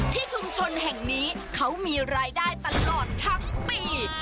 ที่ชุมชนแห่งนี้เขามีรายได้ตลอดทั้งปี